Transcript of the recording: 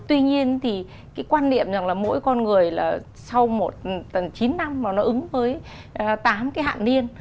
tuy nhiên thì cái quan niệm rằng là mỗi con người là sau một tầng chín năm mà nó ứng với tám cái hạn niên